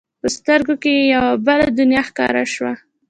په سترګو کې یې یوه بله دنیا ښکاره شوه.